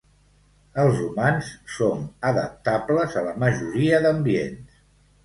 Els humans som adaptables a la majoria d'ambients.